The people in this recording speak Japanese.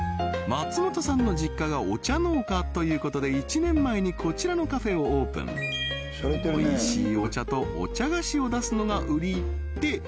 松本さんの実家がお茶農家ということで１年前にこちらのカフェをオープンおいしいお茶とお茶菓子を出すのが売りって